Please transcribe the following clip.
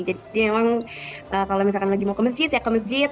jadi memang kalau misalkan lagi mau ke masjid ya ke masjid